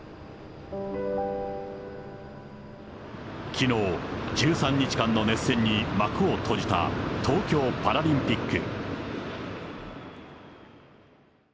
きのう、１３日間の熱戦に幕を閉じた東京パラリンピック。